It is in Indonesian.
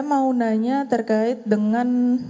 tentang kemauannya terkait dengan